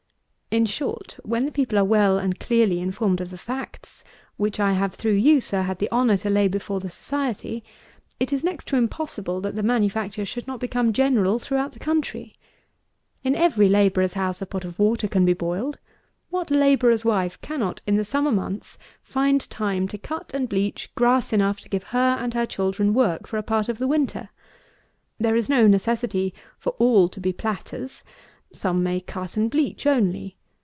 In short when the people are well and clearly informed of the facts, which I have through you, Sir, had the honour to lay before the Society, it is next to impossible that the manufacture should not become general throughout the country. In every labourer's house a pot of water can be boiled. What labourer's wife cannot, in the summer months, find time to cut and bleach grass enough to give her and her children work for a part of the winter? There is no necessity for all to be platters. Some may cut and bleach only.